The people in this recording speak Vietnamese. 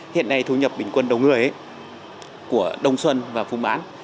hiện nay thu nhập bình quân đồng người của đông xuân và phung án